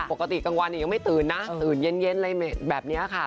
กลางวันยังไม่ตื่นนะตื่นเย็นอะไรแบบนี้ค่ะ